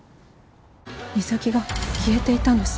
岬が消えていたんです。